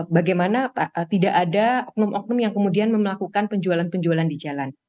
bagaimana tidak ada oknum oknum yang kemudian melakukan penjualan penjualan di jalan